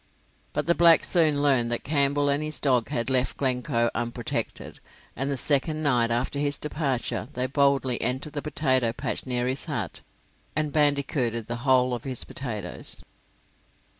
But the blacks soon learned that Campbell and his dog had left Glencoe unprotected, and the second night after his departure they boldly entered the potato patch near his hut, and bandicooted the whole of his potatoes.